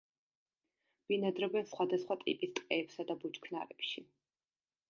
ბინადრობენ სხვადასხვა ტიპის ტყეებსა და ბუჩქნარებში.